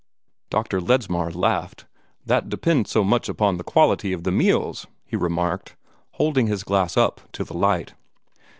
Dr. Ledsmar laughed. "That depends so much upon the quality of the meals!" he remarked, holding his glass up to the light.